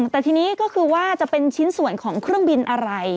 แต่ทีนี้ก็คือว่าจะเป็นชิ้นส่วนของเครื่องบินอะไร